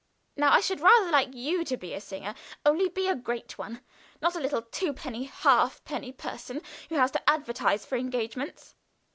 Now, I should rather like you to be a singer only be a great one not a little twopenny halfpenny person who has to advertise for engagements.